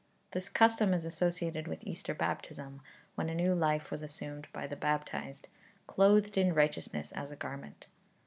This custom is associated with Easter baptism, when a new life was assumed by the baptized, clothed in righteousness as a garment.